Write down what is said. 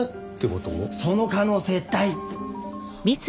その可能性大！